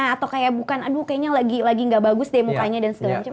atau kayak bukan aduh kayaknya lagi gak bagus deh mukanya dan segala macam